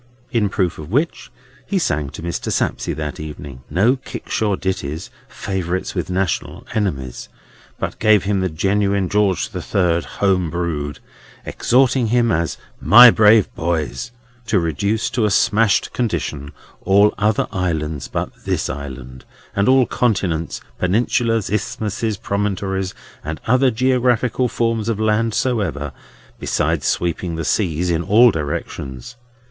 In proof of which, he sang to Mr. Sapsea that evening, no kickshaw ditties, favourites with national enemies, but gave him the genuine George the Third home brewed; exhorting him (as "my brave boys") to reduce to a smashed condition all other islands but this island, and all continents, peninsulas, isthmuses, promontories, and other geographical forms of land soever, besides sweeping the seas in all directions.